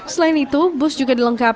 selain itu bus juga dilengkapi